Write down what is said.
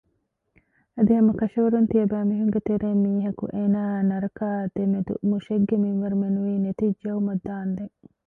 އަދި ހަމަކަށަވަރުން ތިޔަބައިމީހުންގެ ތެރެއިން މީހަކު އޭނާއާއި ނަރަކައާ ދެމެދު މުށެއްގެ މިންވަރު މެނުވީ ނެތިއްޖައުމަށް ދާންދެން